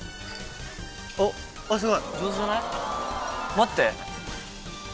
待って。